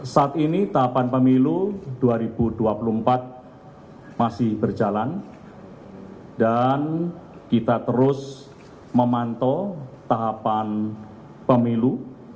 saat ini tahapan pemilu dua ribu dua puluh empat masih berjalan dan kita terus memantau tahapan pemilu